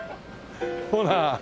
ほら。